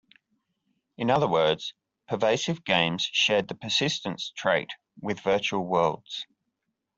In other words, pervasive games shared the persistence trait with virtual worlds.